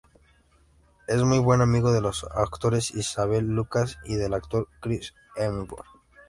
Es muy buen amigo de los actores Isabel Lucas y del actor Chris Hemsworth.